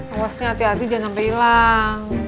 awasnya hati hati jangan sampe ilang